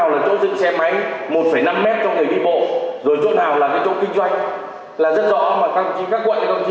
là rất rõ mà các quận các ông chí làm nhiều năm nay rồi